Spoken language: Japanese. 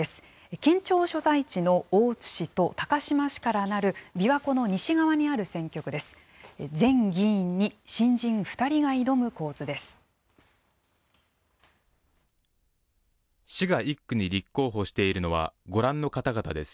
県庁所在地の大津市と高島市からなるびわ湖の西側にある選挙区です。